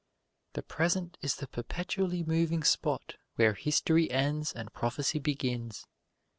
The present is the perpetually moving spot where history ends and prophecy begins.